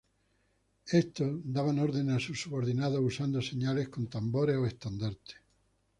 Estos daban órdenes a sus subordinados usando señales con tambores o estandartes.